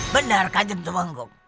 benar kacem tumenggung